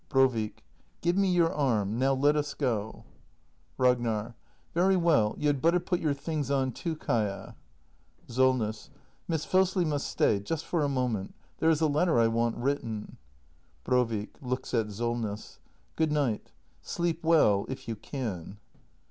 Brovik. Give me your arm. Now let us go. act i] THE MASTER BUILDER 259 Ragnar. Very well. You had better put your things on, too, Kaia. SOLNESS. Miss Fosli must stay — just for a moment. There is a letter I want written. Brovik. [Looks at Solness.] Good night. Sleep well — if you can.